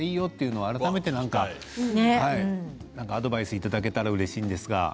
こととか、改めてアドバイスいただけたらうれしいんですが。